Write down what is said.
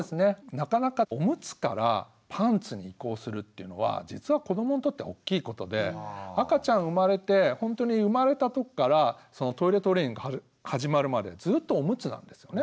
なかなかオムツからパンツに移行するっていうのは実は子どもにとってはおっきいことで赤ちゃん生まれてほんとに生まれた時からトイレトレーニング始まるまでずっとオムツなんですよね。